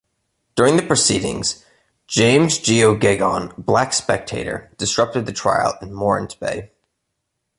During the proceedings, James Geoghegon, a black spectator, disrupted the trial in Morant Bay.